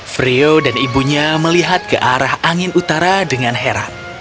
freo dan ibunya melihat ke arah angin utara dengan heran